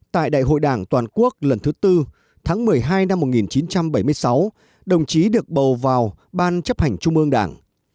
tại đại hội đảng toàn quốc lần thứ tư tháng một mươi hai năm một nghìn chín trăm bảy mươi sáu đồng chí được bầu vào ban chấp hành trung ương đảng